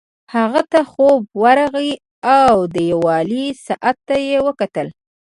هغه ته خوب ورغی او دیوالي ساعت ته یې وکتل